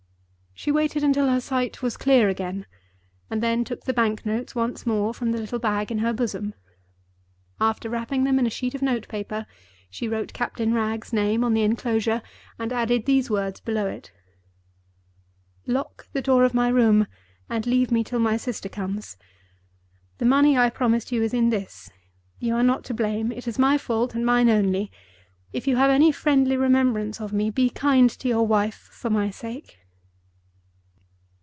She waited until her sight was clear again, and then took the banknotes once more from the little bag in her bosom. After wrapping them in a sheet of note paper, she wrote Captain Wragge's name on the inclosure, and added these words below it: "Lock the door of my room, and leave me till my sister comes. The money I promised you is in this. You are not to blame; it is my fault, and mine only. If you have any friendly remembrance of me, be kind to your wife for my sake."